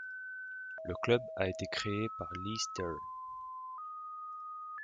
Le club a été créé par Lee Stern.